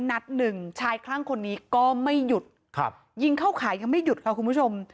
นัดหนึ่งชายคลั่งคนนี้ก็ไม่หยุดครับยิงเข้าขายังไม่หยุดค่ะคุณผู้ชม